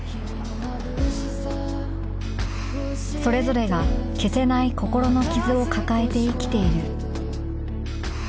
それぞれが消せない心の傷を抱えて生きている